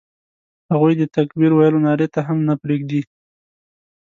هغوی د تکبیر ویلو نارې ته هم نه پرېږدي.